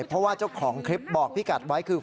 เพราะว่าเจ้าของคลิปบอกพี่กัดไว้คือ